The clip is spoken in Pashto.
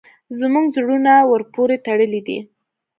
زموږ زړونه ورپورې تړلي دي.